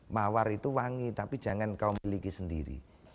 mawar itu wangi tapi jangan kau miliki sendiri